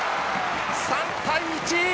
３対１！